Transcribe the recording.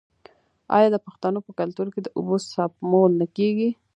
آیا د پښتنو په کلتور کې د اوبو سپمول نه کیږي؟